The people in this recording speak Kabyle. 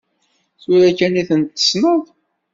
Tura kan i ten-tessneḍ?